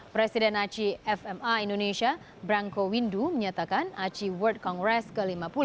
presiden aci fma indonesia branko windu menyatakan aci world congress ke lima puluh